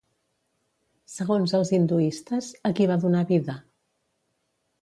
Segons els hinduistes, a qui va donar vida?